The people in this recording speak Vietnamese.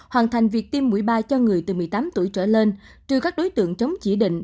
hoàn thành việc tiêm mũi ba cho người từ một mươi tám tuổi trở lên trừ các đối tượng chống chỉ định